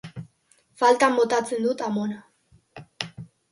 Faltan botatzen dut amona.